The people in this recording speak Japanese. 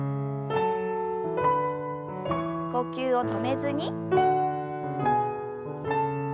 呼吸を止めずに。